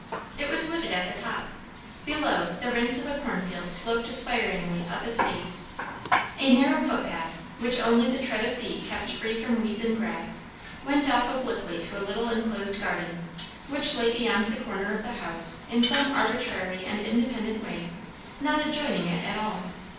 It was wooded at the top; below, the ranks of a cornfield sloped aspiringly up its base. A narrow footpath, which only the tread of feet kept free from weeds and grass, went off obliquely to a little enclosed garden, which lay beyond the corner of the house in some arbitrary and independent way, not adjoining it at all.